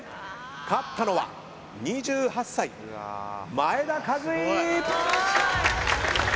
勝ったのは２８歳前田和威！